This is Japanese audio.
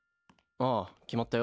ああ決まったよ。